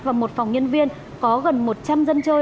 và một phòng nhân viên có gần một trăm linh dân chơi